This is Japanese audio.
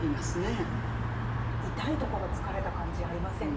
痛いところつかれた感じありませんか？